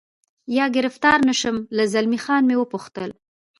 یا ګرفتار نه شم، له زلمی خان مې و پوښتل.